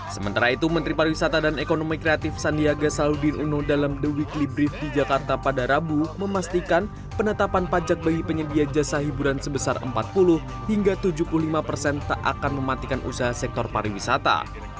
sementara itu menteri pariwisata dan ekonomi kreatif sandiaga salahuddin uno dalam the weekly brief di jakarta pada rabu memastikan penetapan pajak bagi penyedia jasa hiburan sebesar empat puluh hingga tujuh puluh lima persen tak akan mematikan usaha sektor pariwisata